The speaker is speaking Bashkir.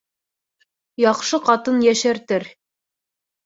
Яҡшы ҡатын йәшәртер